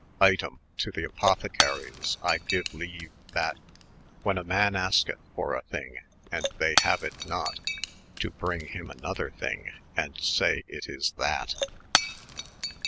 Item, to the Apothicaries, I gene leaue, that when a man asketh them a thyng, & [they] hane it not, to bryng them another thyng, and say it is that.